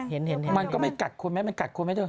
มันก็ไม่กัดคนไหมมันกัดคนไหมเถ